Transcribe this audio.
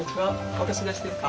おかしだしですか？